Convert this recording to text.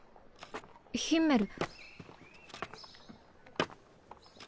ヒンメル。